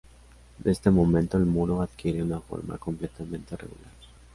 De este modo el muro adquiere una forma completamente regular.